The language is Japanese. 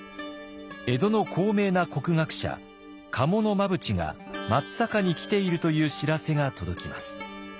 江戸の高名な国学者賀茂真淵が松坂に来ているという知らせが届きます。